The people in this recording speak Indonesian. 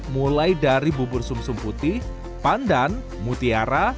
mulai dari bubur sum sum putih pandan mutiara